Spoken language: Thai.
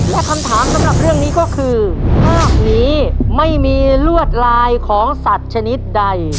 และคำถามสำหรับเรื่องนี้ก็คือภาพนี้ไม่มีลวดลายของสัตว์ชนิดใด